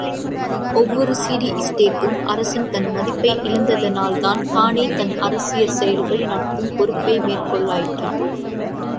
ஒவ்வொரு சிடி ஸ்டேட்டும், அரசன் தன் மதிப்பை இழந்ததனால்தான், தானே தன் அரசியற் செயல்கள் நடத்தும் பொறுப்பை மேற்கொள்ளலாயிற்று.